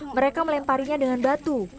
mereka melemparinya dengan batu